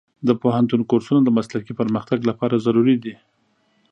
د پوهنتون کورسونه د مسلکي پرمختګ لپاره ضروري دي.